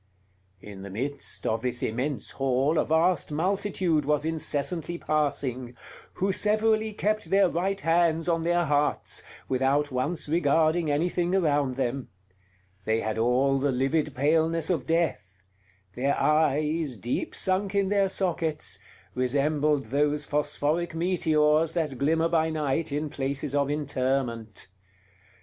In the midst of this immense hall a vast multitude was incessantly passing, who severally kept their right hands on their hearts, without once regarding anything around them; they had all the livid paleness of death; their eyes, deep sunk in their sockets, resembled those phosphoric meteors that glimmer by night in places of interment.